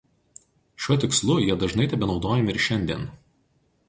Šiuo tikslu jie dažnai tebenaudojami ir šiandien.